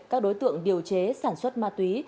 các đối tượng điều chế sản xuất ma túy